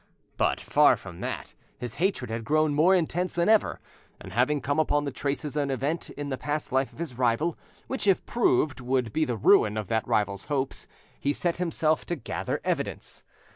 But, far from that, his hatred had grown more intense than ever, and having come upon the traces of an event in the past life of his rival which if proved would be the ruin of that rival's hopes, he set himself to gather evidence.